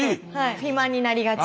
肥満になりがち。